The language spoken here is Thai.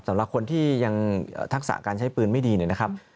สำหรับคนที่ยังทักษะการใช้ปืนไม่ดีเนี่ยนะครับ